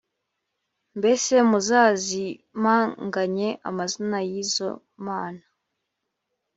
mbese muzazimanganye amazina y’izo mana,